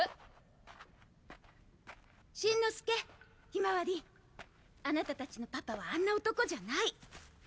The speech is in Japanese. しんのすけ、ひまわりあなたたちのパパはあんな男じゃない。